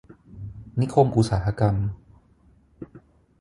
นิคมอุตสาหกรรม